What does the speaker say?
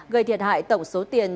gây thiệt hại tổng số tiền